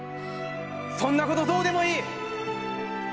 そんなことどうでもいい！